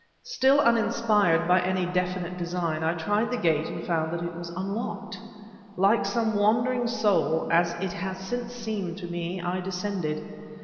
Still uninspired by any definite design, I tried the gate and found that it was unlocked. Like some wandering soul, as it has since seemed to me, I descended.